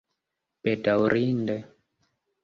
bedaurinde